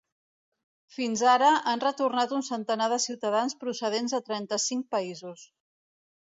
Fins ara han retornat un centenar de ciutadans procedents de trenta-cinc països.